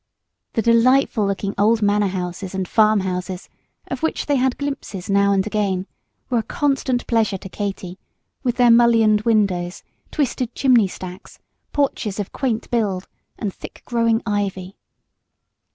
The delightful looking old manor houses and farm houses, of which they had glimpses now and again, were a constant pleasure to Katy, with their mullioned windows, twisted chimney stacks, porches of quaint build, and thick growing ivy.